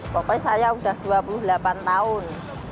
pokoknya saya sudah dua puluh delapan tahun